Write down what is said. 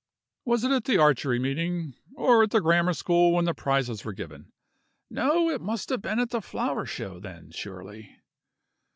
"Was it at the archery meeting? or at the grammar school when the prizes were given? No? It must have been at the flower show, then, surely?"